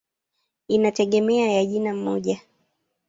Inategemea ya jina moja.